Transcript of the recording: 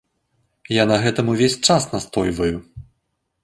Я на гэтым увесь час настойваю.